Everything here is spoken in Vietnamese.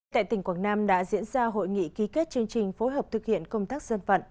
tại tỉnh quảng nam đã diễn ra hội nghị ký kết chương trình phối hợp thực hiện công tác dân vận